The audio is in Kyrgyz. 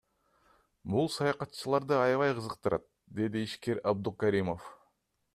Бул саякатчыларды аябай кызыктырат, — деди ишкер Абдукаримов.